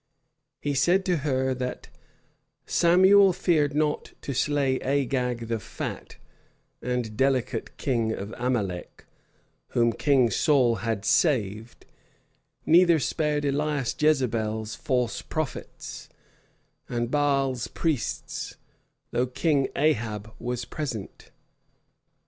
He said to her, that "Samuel feared not to slay Agag the fat and delicate king of Amalek, whom King Saul had saved; neither spared Elias Jezebel's false prophets, and Baal's priests, though King Ahab was present.